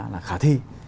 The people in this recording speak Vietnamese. là khả thi